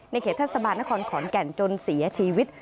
เขตเทศบาลนครขอนแก่นจนเสียชีวิต